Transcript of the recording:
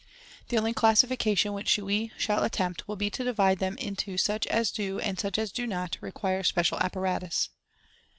The only classification which we shall attempt will be to divide them into such as do and such as do not require special apparatus.